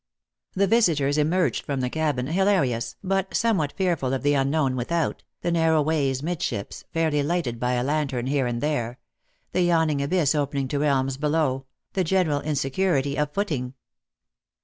The visitors emerged from the cabin hilarious, but somewhat fearful of the unknown without, the narrow ways midships, faintly lighted by a lantern here and there, the yawning abyss opening to realms below, the general insecurity of footing.